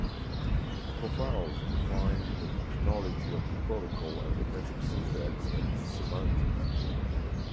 Profiles define the functionality of the protocol and the message syntax and semantics.